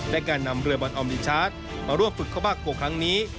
และการนำเรือบอทอมนิชชาติมาร่วมฝึกเข้าบ้าน๖ครั้งนี้